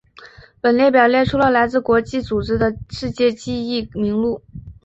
本列表列出了来自国际组织的世界记忆名录。